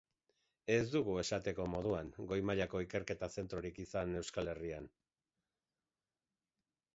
Ez dugu, esateko moduan, goi mailako ikerketa zentrorik izan Euskal Herrian.